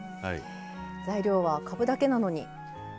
材料はかぶだけなのに。